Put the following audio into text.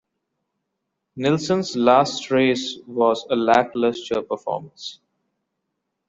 Nilsson's last race was a lacklustre performance.